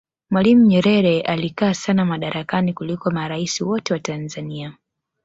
mwalimu nyerere aliyekaa sana madarakani kuliko maraisi wote wa tanzania